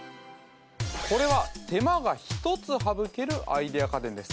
これは手間が１つ省けるアイデア家電です